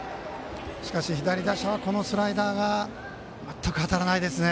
しかし左打者はこのスライダーが全く当たらないですね